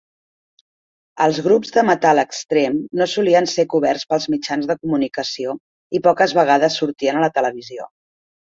Els grups de "metal" extrem no solien ser coberts pels mitjans de comunicació i poques vegades sortien a la televisió.